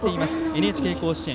ＮＨＫ甲子園